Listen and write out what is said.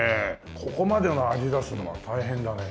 ここまでの味出すのは大変だね。